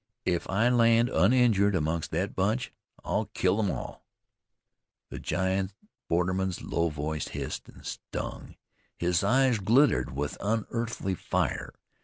If I land uninjured amongst thet bunch, I'll kill them all." The giant borderman's low voice hissed, and stung. His eyes glittered with unearthly fire.